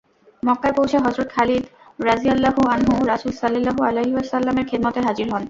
মক্কায় পৌঁছে হযরত খালিদ রাযিয়াল্লাহু আনহু রাসূল সাল্লাল্লাহু আলাইহি ওয়াসাল্লাম-এর খেদমতে হাজির হন।